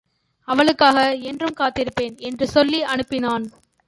அவளுக்காக என்றும் காத்திருப்பேன் என்று சொல்லி அனுப்பினான்.